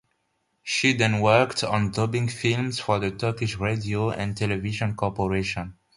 She then worked on dubbing films for the Turkish Radio and Television Corporation.